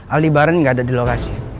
ali baren gak ada di lokasi